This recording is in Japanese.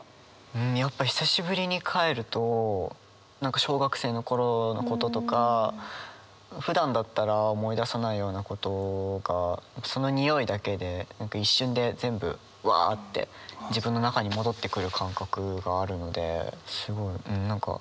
うんやっぱり久しぶりに帰ると何か小学生の頃のこととかふだんだったら思い出さないようなことがそのにおいだけで何か一瞬で全部わあって自分の中に戻ってくる感覚があるので。